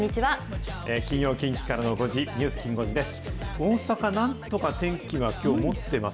金曜、近畿からの５時、ニュースきん５時です。